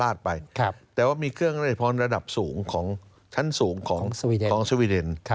ปลาดไปแต่ว่ามีเครื่องระดับสูงของชั้นสูงของสวีเดน